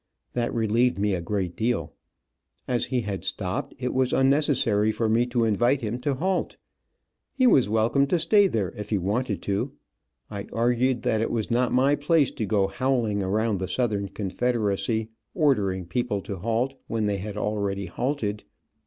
That relieved me a great deal. As he had stopped it was unnecessary for me to invite him to halt. He was welcome to stay there if he wanted to. I argued that it was not my place to go howling around the Southern Confederacy, ordering people to halt, when they had already halted.